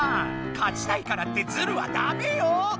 勝ちたいからってズルはダメよ！